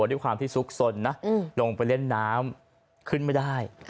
ด้วยความที่ซุกสนนะลงไปเล่นน้ำขึ้นไม่ได้